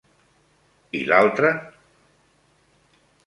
I l'altre...?